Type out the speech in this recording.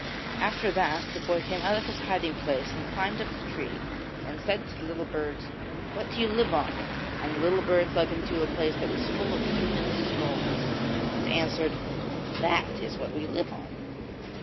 After that, the boy came out of his hiding place and climbed up the tree and said to the little birds: 'What do you live on?' and the little birds led him to a place that was full of human skulls, and answered, 'That is what we live on.'